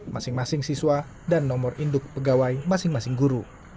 masing masing siswa dan nomor induk pegawai masing masing guru